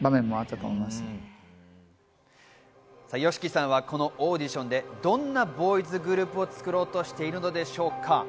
ＹＯＳＨＩＫＩさんはこのオーディションでどんなボーイズグループを作ろうとしているのでしょうか。